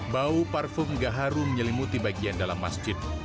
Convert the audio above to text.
bau parfum gaharu menyelimuti bagian dalam masjid